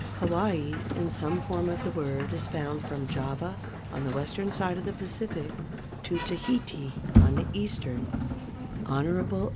Hawaii in some form of the word is found from Java on the western side of the Pacific to Tahiti on the eastern. Hon.